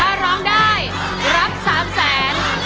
ถ้าร้องได้รับ๓แสน